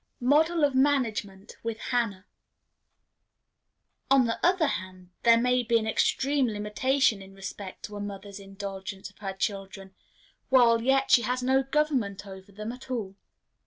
Mode of Management with Hannah. On the other hand, there may be an extreme limitation in respect to a mother's indulgence of her children, while yet she has no government over them at all.